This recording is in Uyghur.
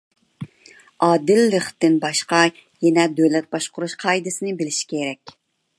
ئادىللىقتىن باشقا، يەنە دۆلەت باشقۇرۇش قائىدىسىنى بىلىش كېرەك.